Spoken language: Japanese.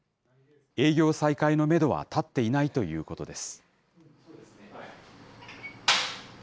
営業再開のメドは立っていないということです。